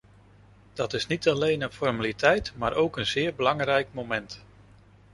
Dat is niet alleen een formaliteit, maar ook een zeer belangrijk moment.